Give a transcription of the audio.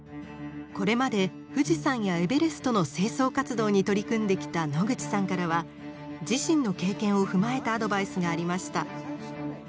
これまで富士山やエベレストの清掃活動に取り組んできた野口さんからは自身の経験を踏まえたアドバイスがありました。